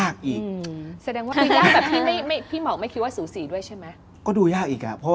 ก็ดูยากอีก